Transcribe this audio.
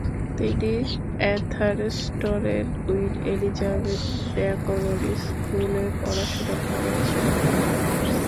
তিনি অ্যাথারস্টনের Queen Elizabeth ব্যাকরণ স্কুলে পড়াশোনা করেছেন।